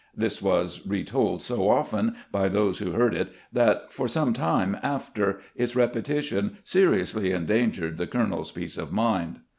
" This was retold so often by those who heard it that, for some time after, its repetition seriously endangered the colonel's peace of mind.